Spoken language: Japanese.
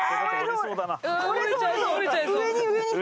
折れちゃいそう、上に。